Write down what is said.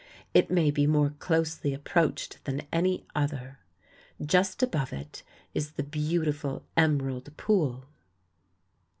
It may be more closely approached than any other. Just above it is the beautiful Emerald Pool.